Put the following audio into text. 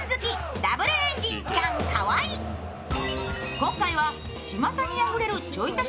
今回はちまたにあふれるちょいたし